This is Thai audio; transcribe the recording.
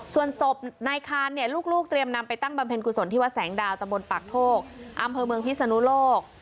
ส่วนศพนายคานเนี่ยลูกเตรียมนำไปตั้งบำเพ็ญกุศลที่วัดแสงดาวตะบนปากโทกอำเภอเมืองพิศนุโลก